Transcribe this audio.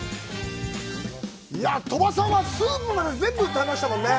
鳥羽さんはスープまで全部食べましたもんね。